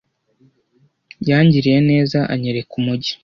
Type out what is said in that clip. Yangiriye neza anyereka umujyi.